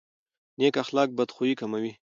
نیک اخلاق بدخويي کموي.